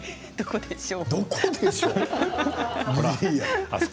どこでしょう。